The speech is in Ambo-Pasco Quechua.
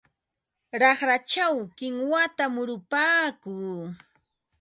Raqrachaw kinwata murupaakuu.